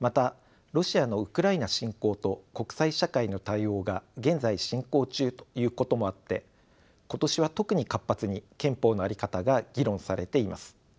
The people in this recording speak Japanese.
またロシアのウクライナ侵攻と国際社会の対応が現在進行中ということもあって今年は特に活発に憲法の在り方が議論されています。